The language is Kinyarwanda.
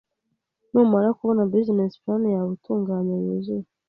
Numara kubona business plan yawe itunganye yuzuye,